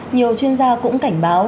nhiều chuyên gia cũng cảnh báo